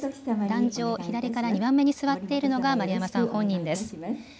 壇上、左から２番目に座っているのが丸山さん本人です。